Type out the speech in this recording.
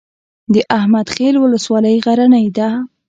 د احمد خیل ولسوالۍ غرنۍ ده